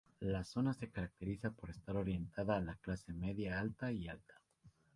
La zona se caracteriza por estar orientada a la clase media-alta y alta.